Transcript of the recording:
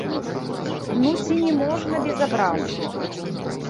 Ну, ці не можна без абразы.